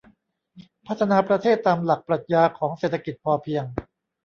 พัฒนาประเทศตามหลักปรัชญาของเศรษฐกิจพอเพียง